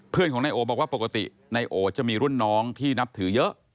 เพื่อนของนายโอบอกว่าปกตินายโอจะมีรุ่นน้องที่นับถือเยอะ